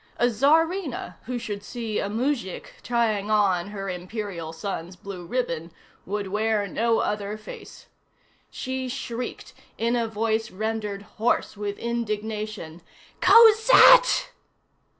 A czarina who should see a muzhik trying on her imperial son's blue ribbon would wear no other face. She shrieked in a voice rendered hoarse with indignation:— "Cosette!"